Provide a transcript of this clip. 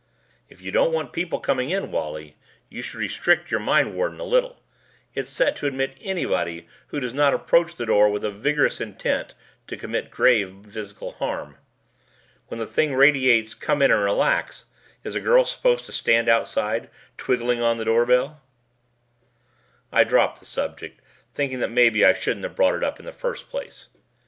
"If you don't want people coming in, Wally, you should restrict your mindwarden a little. It's set to admit anybody who does not approach the door with vigorous intent to commit grave physical harm. When the thing radiates 'Come in and relax' is a girl supposed to stand outside twiggling on the doorbell?" I dropped the subject thinking that maybe I shouldn't have brought it up in the first place.